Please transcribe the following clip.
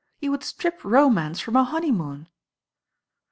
"You would strip romance from a honeymoon."